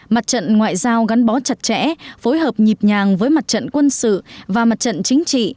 mặt trận ngoại giao gắn bó chặt chẽ phối hợp nhịp nhàng với mặt trận quân sự và mặt trận chính trị